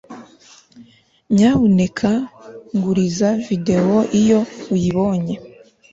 Nyamuneka nguriza videwo iyo uyibonye